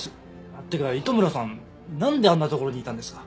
っていうか糸村さんなんであんな所にいたんですか？